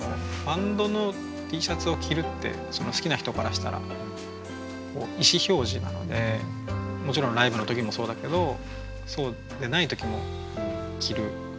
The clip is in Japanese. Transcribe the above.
バンドのＴシャツを着るって好きな人からしたら意思表示なのでもちろんライブの時もそうだけどそうでない時も着る。